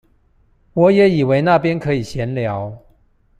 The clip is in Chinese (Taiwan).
我也以為那邊可以閒聊